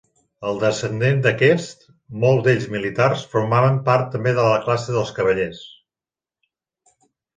Els descendents d'aquests, molts d'ells militars, formaven part també de la classe dels cavallers.